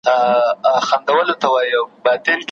چي آواز یې داسي ډک دی له هیبته